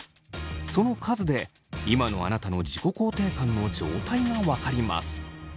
その数で今のあなたの自己肯定感の状態が分かります。